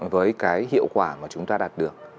với cái hiệu quả mà chúng ta đạt được